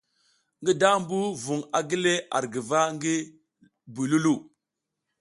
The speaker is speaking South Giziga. Ngi dambu vung a gile ar guva ngi buy Loulou.